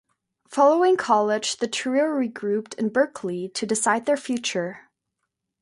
Following college, the trio regrouped in Berkeley to decide their future.